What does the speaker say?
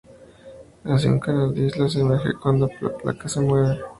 Así un canal de islas emerge cuando la placa se mueve.